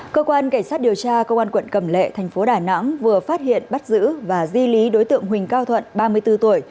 cơ quan cảnh sát điều tra công an quận cầm lệ thành phố đà nẵng vừa phát hiện bắt giữ và di lý đối tượng huỳnh cao thuận ba mươi bốn tuổi